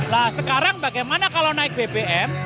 nah sekarang bagaimana kalau naik bbm